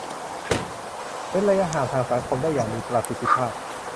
เว้นระยะห่างทางสังคมได้อย่างมีประสิทธิภาพ